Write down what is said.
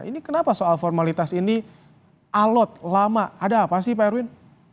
ini kenapa soal formalitas ini alot lama ada apa sih pak erwin